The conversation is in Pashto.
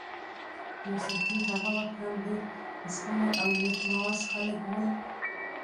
يوسفزي هغه وخت هم ډېر خوش خویه او نېک معاش خلک ول.